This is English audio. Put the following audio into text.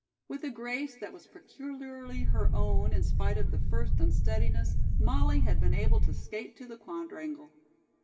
With a grace that was peculiarly her own in spite of the first unsteadiness, Molly had been able to skate to the Quadrangle.